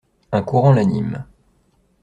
Un courant l'anime.